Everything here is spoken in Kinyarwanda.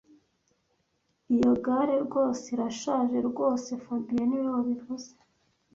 Iyo gare rwose irashaje rwose fabien niwe wabivuze